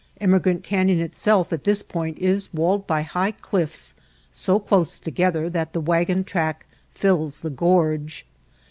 Emigrant Canyon itself at this point is walled by high cliffs so close together that the wagon track fills the gorge.